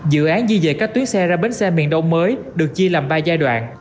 dự án di dời các tuyến xe ra bến xe miền đông mới được chia làm ba giai đoạn